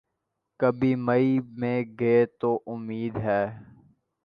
کبھی مئی میں گئے تو امید ہے۔